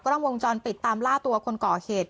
กรมวงจนติดตามล่าตัวคนก่อเหตุ